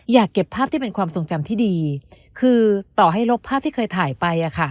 อยากเก็บภาพที่เป็นความทรงจำที่ดีคือต่อให้ลบภาพที่เคยถ่ายไป